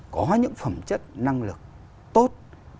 có những phẩm chất năng lực tốt